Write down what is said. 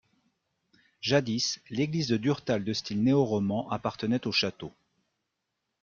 Jadis, l’église de Durtal de style néoroman appartenait au château.